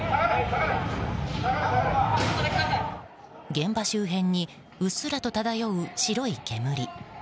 現場周辺にうっすらと漂う白い煙。